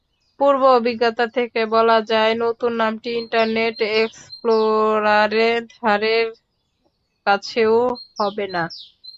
পূর্ব অভিজ্ঞতা থেকে বলা যায়, নতুন নামটি ইন্টারনেট এক্সপ্লোরারে ধারেকাছেও হবে না।